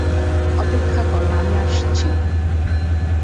অপেক্ষা কর, আমি আসছি।